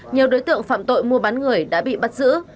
nhiều đối tượng phạm tội mua bán người đã bị bắt giữ